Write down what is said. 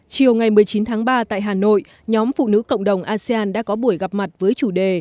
chiều ngày một mươi chín tháng ba tại hà nội nhóm phụ nữ cộng đồng asean đã có buổi gặp mặt với chủ đề